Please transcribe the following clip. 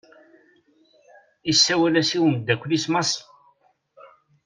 Isawel-as i umddakel-is Massi.